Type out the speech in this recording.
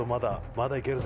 まだ、いける！